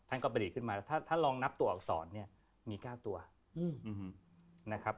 ท่านก็ผลิตขึ้นมาถ้าลองนับตัวอักษรเนี่ยมี๙ตัวนะครับ